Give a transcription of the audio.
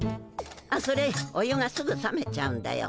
あっそれお湯がすぐさめちゃうんだよ。